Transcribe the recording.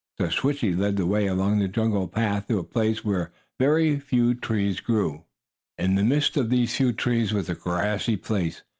So Switchie led the way along another jungle path to a place where very few trees grew. In the midst of these few trees was a grassy place.